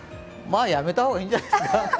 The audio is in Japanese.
やめた方がいいんじゃないですか。